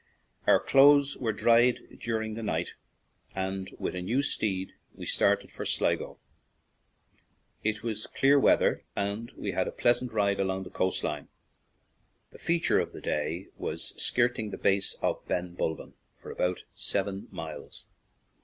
Our clothes were dried during the night, and with a new steed we started for Sligo. It was clear weather and we had a pleas ant ride along the coast line. The feature of the day was skirting the base of Ben bulbin for about seven miles.